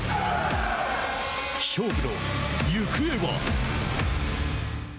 勝負の行方は。